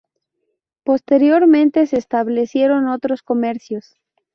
Posteriormente se establecieron otros comercios.